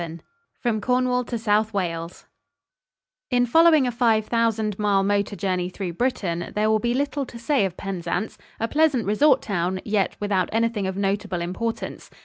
VII FROM CORNWALL TO SOUTH WALES In following a five thousand mile motor journey through Britain, there will be little to say of Penzance, a pleasant resort town, yet without anything of notable importance.